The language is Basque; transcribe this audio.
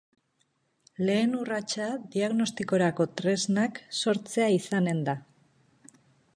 Lehen urratsa diagnostikorako tresnak sortzea izanen da.